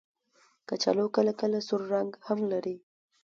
کچالو کله کله سور رنګ هم لري